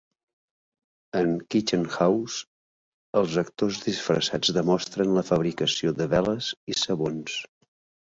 En "Kitchen House", els actors disfressats demostren la fabricació de veles i sabons.